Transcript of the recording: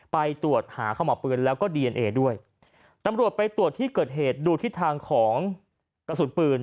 ไปตรวจหาข้อมอบปืน